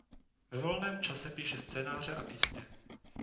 Ve volném čase píše scénáře a písně.